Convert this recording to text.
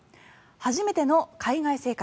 初めての海外生活。